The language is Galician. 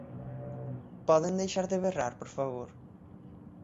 Poden deixar de berrar por favor?